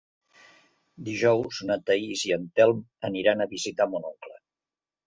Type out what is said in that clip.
Dijous na Thaís i en Telm aniran a visitar mon oncle.